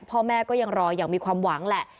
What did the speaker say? พ่อแม่ก็ยังรออย่างมีความหวังแหละ